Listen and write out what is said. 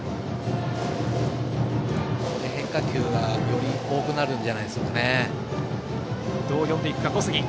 変化球は、より多くなるんじゃないでしょうか。